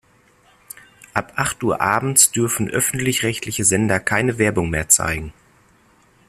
Ab acht Uhr abends dürfen öffentlich-rechtliche Sender keine Werbung mehr zeigen.